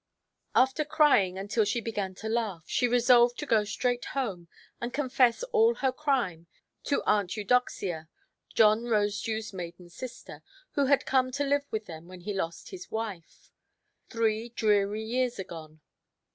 After crying until she began to laugh, she resolved to go straight home, and confess all her crime to Aunt Eudoxia, John Rosedewʼs maiden sister, who had come to live with him when he lost his wife, three dreary years agone.